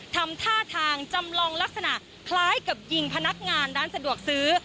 ทำท่าทางจำลองลักษณะคล้ายกับยิงพนักงานร้านสะดวกซื้อ